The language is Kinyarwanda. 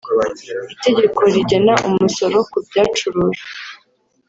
itegeko rigena umusoro ku byacurujwe